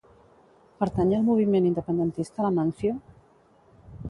Pertany al moviment independentista l'Amancio?